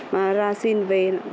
mà ra xin về